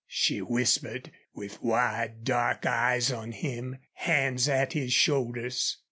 she whispered, with wide, dark eyes on him, hands at his shoulders.